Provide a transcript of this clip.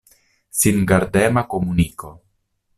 Singardema komuniko.